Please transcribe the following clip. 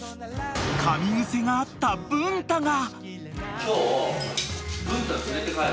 ［かみ癖があった文太が］